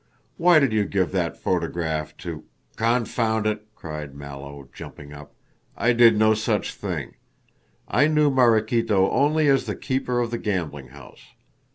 "Why did you give that photograph to " "Confound it!" cried Mallow, jumping up, "I did no such thing. I knew Maraquito only as the keeper of the gambling house.